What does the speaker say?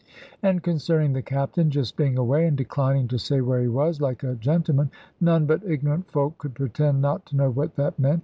And concerning the Captain just being away, and declining to say where he was, like a gentleman; none but ignorant folk could pretend not to know what that meant.